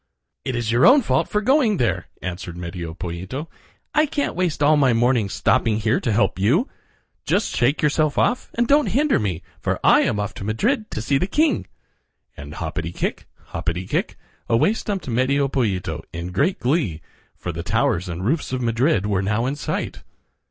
"It is your own fault for going there," answered Medio Pollito. "I can't waste all my morning stopping here to help you. Just shake yourself off, and don't hinder me, for I am off to Madrid to see the king," and hoppity kick, hoppity kick, away stumped Medio Pollito in great glee, for the towers and roofs of Madrid were now in sight.